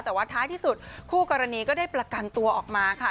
แต่ว่าท้ายที่สุดคู่กรณีก็ได้ประกันตัวออกมาค่ะ